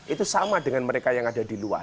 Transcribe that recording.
itu sama dengan mereka yang ada di luar